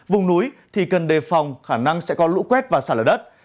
vùng núi thì cần đề phòng khả năng sẽ có lũ quét và xả lở đất